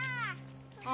あ。